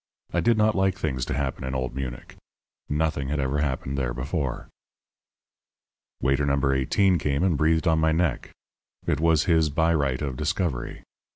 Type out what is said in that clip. I did not like things to happen in Old Munich. Nothing had ever happened there before. Waiter No. 18 came and breathed on my neck. I was his by right of discovery.